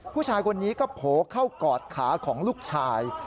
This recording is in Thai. ผู้ชายคนนี้ก็โผล่เข้ากอดขาของลูกชาย